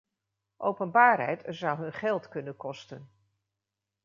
Openbaarheid zou hun geld kunnen kosten.